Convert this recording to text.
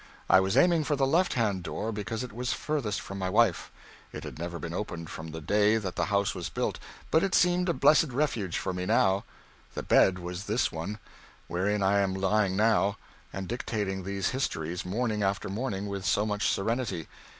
I was aiming for the left hand door because it was furthest from my wife. It had never been opened from the day that the house was built, but it seemed a blessed refuge for me now. The bed was this one, wherein I am lying now, and dictating these histories morning after morning with so much serenity.